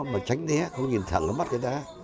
mà tránh thế không nhìn thẳng mắt người ta